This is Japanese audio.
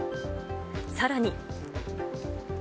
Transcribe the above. さらに。